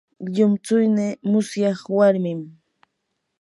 llumtsuynii musyaq warmin.